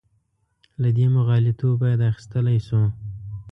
له دې مغالطو باید اخیستلی شو.